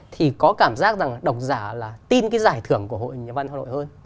thì có cảm giác rằng đọc giả là tin cái giải thưởng của hội nhà văn hội hơn